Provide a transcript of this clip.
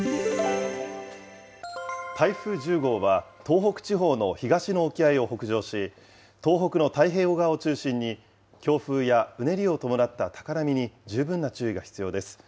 台風１０号は東北地方の東の沖合を北上し、東北の太平洋側を中心に、強風やうねりを伴った高波に十分な注意が必要です。